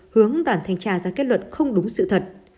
hướng đoàn thanh tra ra kết luận không đúng sự thật